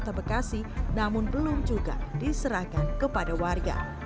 kota bekasi namun belum juga diserahkan kepada warga